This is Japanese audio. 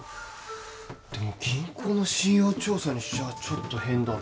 でも銀行の信用調査にしちゃちょっと変だな